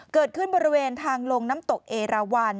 เกิดขึ้นบริเวณทางลงน้ำตกเอราวัน